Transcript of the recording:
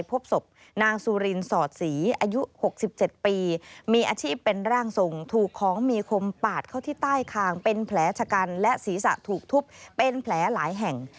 เป็นแผลหลายแห่ง